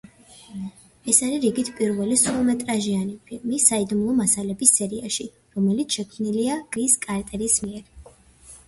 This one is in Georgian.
ეს არის რიგით პირველი სრულმეტრაჟიანი ფილმი „საიდუმლო მასალების“ სერიაში, რომელიც შექმნილია კრის კარტერის მიერ.